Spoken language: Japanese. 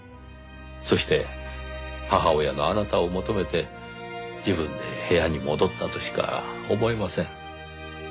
そして母親のあなたを求めて自分で部屋に戻ったとしか思えません。